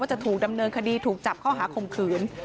จะถูกดำเนินคดีถูกจับข้อหาข่มขืน